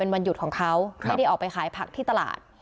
วันหยุดของเขาไม่ได้ออกไปขายผักที่ตลาด